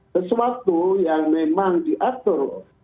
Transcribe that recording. sesuatu yang memang diatur